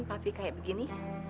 papi kayak begini